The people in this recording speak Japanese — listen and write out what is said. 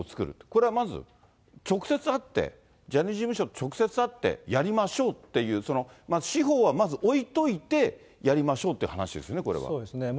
これはまず、直接会って、ジャニーズ事務所と直接会ってやりましょうっていう、まず司法は置いといてやりましょうって話ですよね、そうですね。